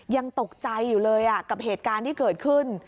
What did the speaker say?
ยังตกใจอยู่เลยกับเหตุการณ์ที่เกิดขึ้น